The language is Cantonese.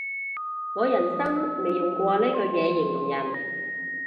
我人生未用過呢句嘢形容人